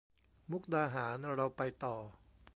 มุกดาหารเราไปต่อ